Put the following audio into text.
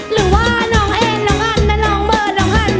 หรือว่าน้องแอนน้องอันและน้องเบอร์น้องอัน